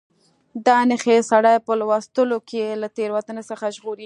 دا نښې سړی په لوستلو کې له تېروتنې څخه ژغوري.